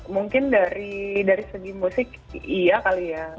mungkin dari segi musik iya kali ya